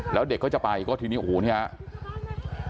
แล้วเด็กก็จะไปก็ทีนี้โอ้โหเนี่ยครับ